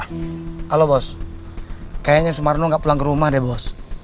halo bos kayaknya sumarno gak pulang ke rumah deh bos